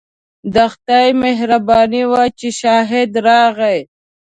د خدای مهرباني وه چې شاهد راغی.